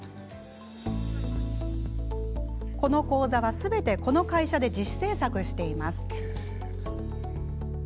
この講座はすべてこの会社で自主制作しています。